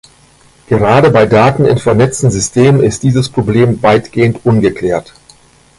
Gerade bei Daten in vernetzten Systemen ist dieses Problem weitgehend ungeklärt.